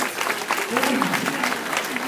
Eo mare